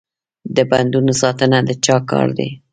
د بندونو ساتنه د چا کار دی؟